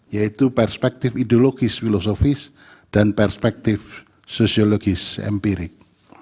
yaitu perspektif ideologis filosofis dan perspektif sosiologis empirik